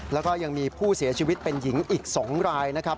แล้วก็ยังมีผู้เสียชีวิตเป็นหญิงอีก๒รายนะครับ